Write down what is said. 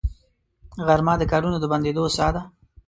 غرمه د کارونو د بندېدو ساه ده